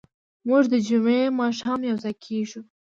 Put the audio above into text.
موږ د جمعې ماښام یوځای کېږو.